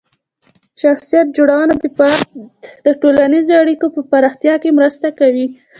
شخصیت جوړونه د فرد د ټولنیزې اړیکو په پراختیا کې مرسته کوي.